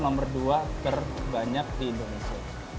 nomor dua terbanyak di indonesia